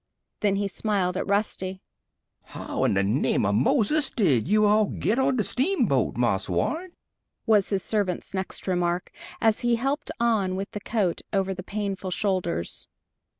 Then he smiled at Rusty. "How in de name of Moses did you all git on de steamboat, Marse Warren?" was his servant's next remark, as he helped on with the coat over the painful shoulders.